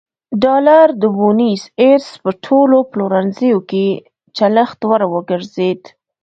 ډالر د بونیس ایرس په ټولو پلورنځیو کې چلښت وړ وګرځېد.